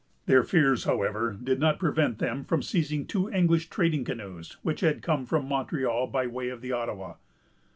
Their fears, however, did not prevent them from seizing two English trading canoes, which had come from Montreal by way of the Ottawa.